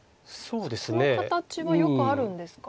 この形はよくあるんですか？